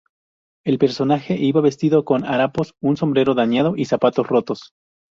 El personaje iba vestido con harapos, un sombrero dañado y zapatos rotos.